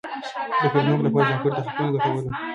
د پیرودونکو لپاره ځانګړي تخفیفونه ګټور وي.